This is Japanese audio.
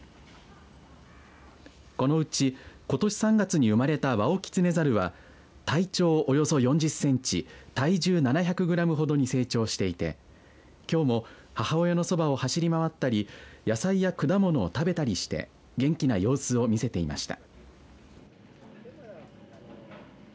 このうち、ことし３月にうまれたワオキツネザルは体長およそ４０センチ体重７００グラムほどに成長していてきょうも母親のそばを走り回ったり野菜や果物を食べたりして元気な様子を見せていました。